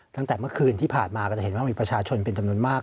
ตั้งแต่เมื่อคืนที่ผ่านมาก็จะเห็นว่ามีประชาชนเป็นจำนวนมาก